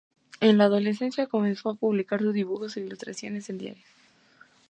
En la adolescencia comenzó a publicar sus dibujos e ilustraciones en diarios.